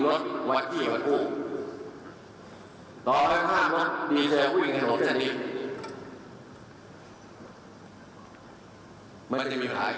อ่ะนายยกถามว่าถ้าใช้มาตรการเด็ดขาดประชาชนโอ้โหมันก็ไม่มีความคิดว่าจะต้องการแบบนี้